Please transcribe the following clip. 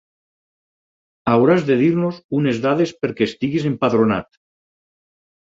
Hauràs de dir-nos unes dades perquè estiguis empadronat.